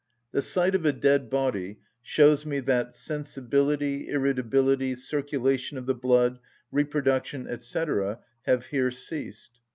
The sight of a dead body shows me that sensibility, irritability, circulation of the blood, reproduction, &c., have here ceased.